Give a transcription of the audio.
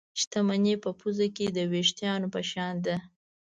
شتمني په پوزه کې د وېښتانو په شان ده.